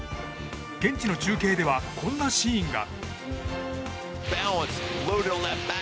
現地の中継ではこんなシーンが。